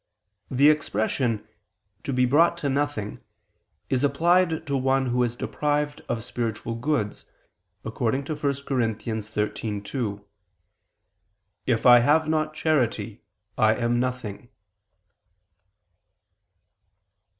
The expression "to be brought to nothing" is applied to one who is deprived of spiritual goods, according to 1 Cor. 13:2: "If I ... have not charity, I am nothing."